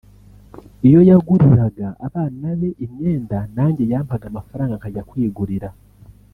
iyo yaguriraga abana be imyenda nanjye yampaga amafranga nkajya kwigurira